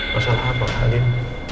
masalah apa halim